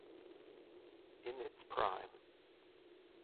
In its prime.